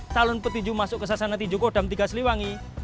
talon petinju masuk ke sasana petinju kodam tiga seliwangi